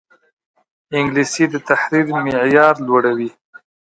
انګلیسي د تحریر معیار لوړوي